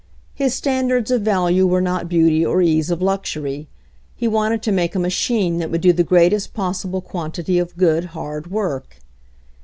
His standards of value were not beauty or ease of luxury. He wanted to make a machine that would do the greatest possible quantity of good, hard work.